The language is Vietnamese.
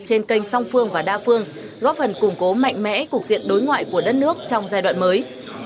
trên kênh song phương và đa phương góp phần củng cố mạnh mẽ cục diện đối ngoại của đất nước trong giai đoạn mới